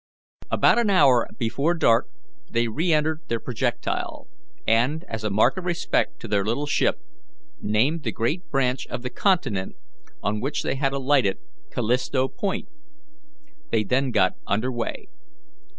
About an hour before dark they re entered their projectile, and, as a mark of respect to their little ship, named the great branch of the continent on which they had alighted Callisto Point. They then got under way.